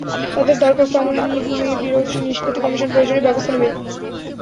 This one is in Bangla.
তাঁদের দরখাস্ত আমলে নিয়ে ভূমি বিরোধ নিষ্পত্তি কমিশন প্রয়োজনীয় ব্যবস্থা নেবে।